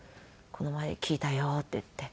「この前聴いたよ」って言って。